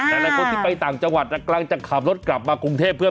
ในในคนที่ไปต่างจังหวัดกำลังจะขรถกลับมากรุงเทพฯ